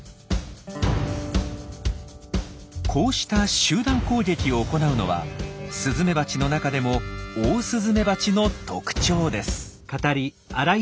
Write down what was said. こうした集団攻撃を行うのはスズメバチの中でもオオスズメバチの特徴です。